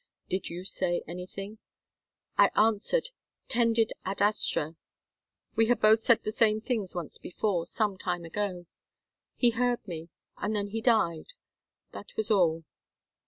"Did you say anything?" "I answered, 'Tendit ad astra.' We had both said the same things once before, some time ago. He heard me, and then he died that was all."